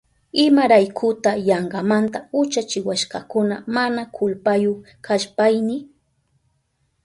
¿Imaraykuta yankamanta uchachiwashkakuna mana kulpayu kashpayni?